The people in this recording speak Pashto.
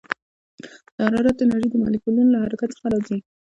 د حرارت انرژي د مالیکولونو له حرکت څخه راځي.